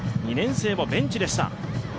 ２年生はベンチでした。